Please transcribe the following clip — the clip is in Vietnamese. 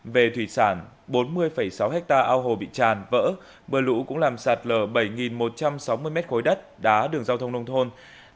về thủy sản bốn mươi sáu ha ao hồ bị tràn vỡ mưa lũ cũng làm sạt lở bảy một trăm sáu mươi mét khối đất đá đường giao thông nông thôn